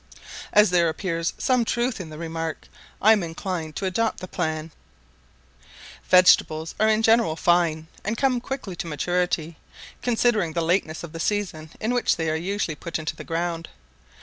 As there appears some truth in the remark, I am inclined to adopt the plan. Vegetables are in general fine, and come quickly to maturity, considering the lateness of the season in which they are usually put into the ground.